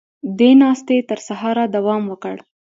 دې ناستې تر سهاره دوام وکړ.